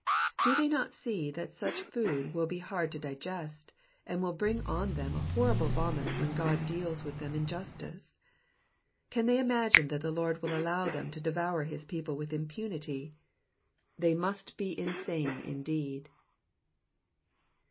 '*^ Do they not see that such food will be hard to digest, and will bring on them a horrible vomit when Godjdeals with them in justice ? Can they imagine that the Lord will allow them to devour his people with impunity? They must be insane indeed.